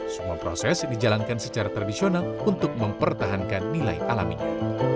semua proses dijalankan secara tradisional untuk mempertahankan nilai alaminya